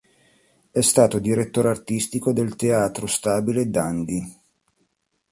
È stato direttore artistico del Teatro Stabile Dundee.